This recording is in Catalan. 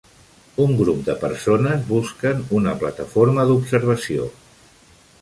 Un grup de persones busquen una plataforma d'observació.